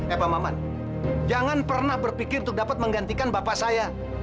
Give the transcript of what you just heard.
eh pak maman jangan pernah berpikir untuk dapat menggantikan bapak saya